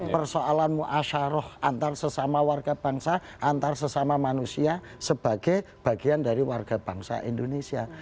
persoalan ⁇ muasharoh antar sesama warga bangsa antar sesama manusia sebagai bagian dari warga bangsa indonesia